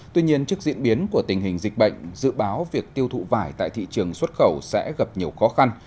tuy nhiên trước diễn biến của tình hình dịch bệnh dự báo việc tiêu thụ vải tại thị trường xuất khẩu sẽ gặp nhiều khó khăn